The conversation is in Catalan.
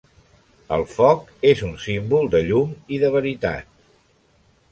El foc és un símbol de llum i de veritat.